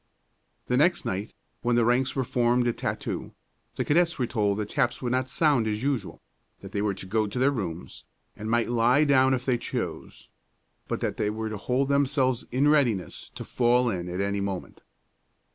The next night, when the ranks were formed at tattoo, the cadets were told that taps would not sound as usual; that they were to go to their rooms, and might lie down if they chose, but that they were to hold themselves in readiness to "fall in" at any moment.